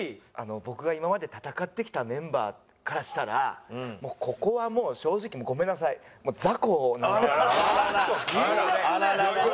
僕が今まで戦ってきたメンバーからしたらもうここはもう正直ごめんなさい雑魚なんですよ。言いますね。